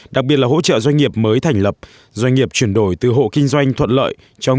đặc biệt là hỗ trợ doanh nghiệp mới thành lập doanh nghiệp chuyển đổi từ hộ kinh doanh thuận lợi trong